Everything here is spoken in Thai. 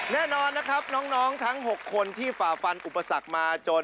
แน่นอนนะครับน้องทั้ง๖คนที่ฝ่าฟันอุปสรรคมาจน